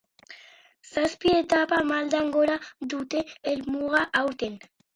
Zazpi etapa maldan gora dute helmuga aurten.